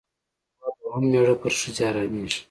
هغه دویم مېړه پر ښځې حرامېږي.